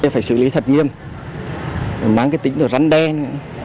phải xử lý thật nghiêm mắng cái tính rắn đen